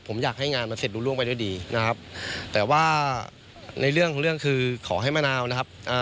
ผมอยากให้งานมันเสร็จรู้ล่วงไปด้วยดีนะครับแต่ว่าในเรื่องของเรื่องคือขอให้มะนาวนะครับ